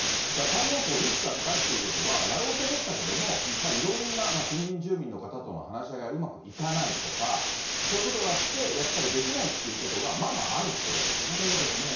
太陽光、リスクが高いってことは、やろうと思ったけども、いろんな、近隣住民の話し合いがうまくいかないとか、そういうことがあって、やっぱりできないっていうことが、そういうことですね。